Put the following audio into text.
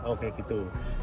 oh kayak gitu